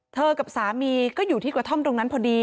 กับสามีก็อยู่ที่กระท่อมตรงนั้นพอดี